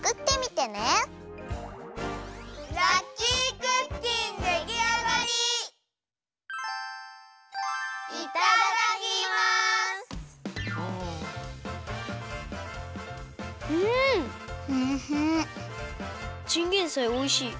チンゲンサイおいしい。